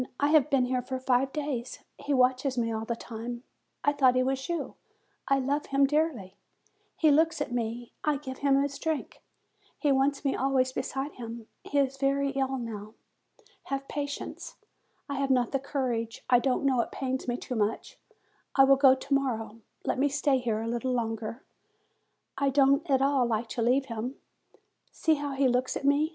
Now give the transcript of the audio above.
I have been here for five days. He watches me all the time. I thought he was you. I love him dearly. He looks at me; I give him his drink; he wants me always beside him; he is very ill now. Have patience; I have not the courage I don't know it pains me too much ; I will go to morrow ; let me stay here a little longer ; I don't at all like to leave him. See how he looks at me